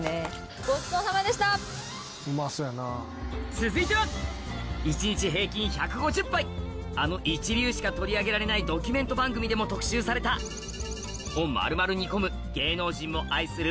続いてはあの一流しか取り上げられないドキュメント番組でも特集されたを丸々煮込む芸能人も愛する